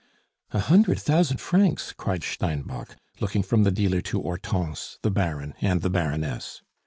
"A hundred thousand francs!" cried Steinbock, looking from the dealer to Hortense, the Baron, and the Baroness.